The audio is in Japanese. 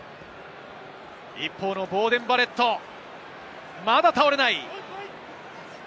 ボーデン・バレット、まだ倒れない。